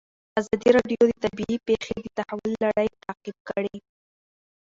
ازادي راډیو د طبیعي پېښې د تحول لړۍ تعقیب کړې.